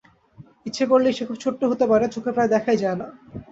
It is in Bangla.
ইচ্ছে করলেই সে খুব ছোট্টো হতে পারে, চোখে প্রায় দেখাই যায় না।